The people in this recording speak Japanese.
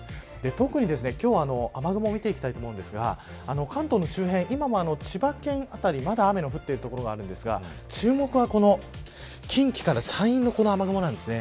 特に今日は雨雲見てきたとも思いますが関東の周辺、今も千葉県辺りまだ雨の降っている所があるんですが注目は近畿から山陰の雨雲なんです。